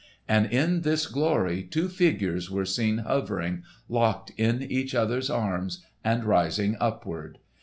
And in this glory two figures were seen hovering, locked in each other's arms and rising upward.